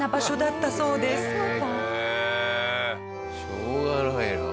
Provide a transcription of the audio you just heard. しょうがないな。